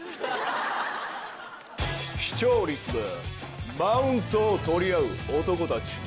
視聴率でマウントを取り合う男たち。